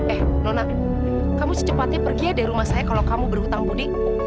eh nona kamu secepatnya pergi ya dari rumah saya kalau kamu berhutang budi